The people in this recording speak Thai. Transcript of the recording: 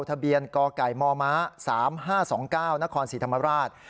ทะเบียนกไก่มม๓๕๒๙นครศรีธรรมราช